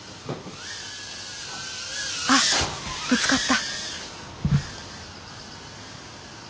あっぶつかった。